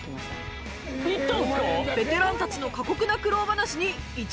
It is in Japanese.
ベテランたちの過酷な苦労話に一同驚愕